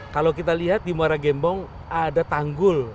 kalau kita lihat di muara gembong ada tanggul